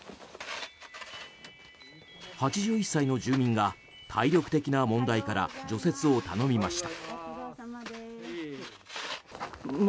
８１歳の住民が体力的な問題から除雪を頼みました。